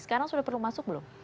sekarang sudah perlu masuk belum